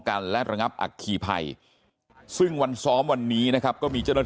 กันและระงับอัคคีภัยซึ่งวันซ้อมวันนี้นะครับก็มีเจ้าหน้าที่